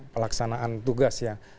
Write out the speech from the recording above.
pelaksanaan tugas ya